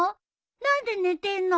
何で寝てんの？